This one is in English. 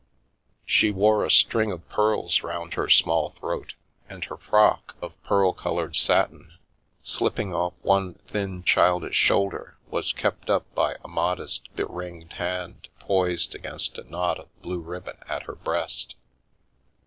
She wore a string of pearls round her small throat, and her frock, of pearl coloured satin, slipping off one thin, childish shoulder, was kept up by a modest be ringed hand poised against a knot of blue ribbon at her breast.